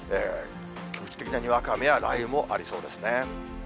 局地的なにわか雨や雷雨もありそうですね。